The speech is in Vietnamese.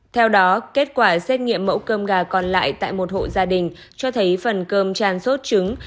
theo đó kết quả xét nghiệm mẫu cơm gà còn lại tại một hộ gia đình cho thấy phần cơm tràn rốt trứng